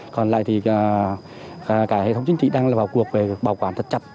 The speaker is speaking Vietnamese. còn lại thì cả hệ thống chính trị đang là vào cuộc về bảo quản thật chặt